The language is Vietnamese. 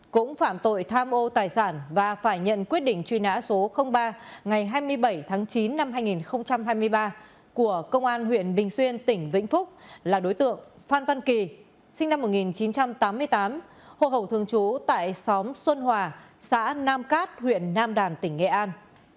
cũng phạm tội tham ô tài sản và phải nhận quyết định truy nã số ba ngày hai mươi bảy tháng chín năm hai nghìn hai mươi ba của công an huyện bình xuyên tỉnh vĩnh phúc là đối tượng phan văn kỳ sinh năm một nghìn chín trăm tám mươi tám hồ hậu thường trú tại xóm xuân hòa xã nam cát huyện nam đàn tỉnh nghệ an